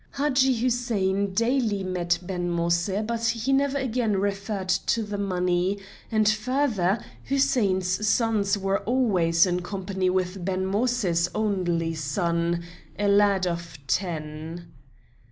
Hadji Hussein daily met Ben Moïse but he never again referred to the money, and further, Hussein's sons were always in company with Ben Moïse's only son, a lad of ten.